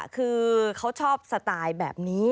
คือเขาชอบสไตล์แบบนี้